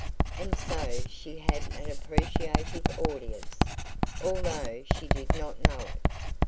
And so she had an appreciative audience, although she did not know it.